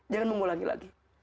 jangan mengulangi lagi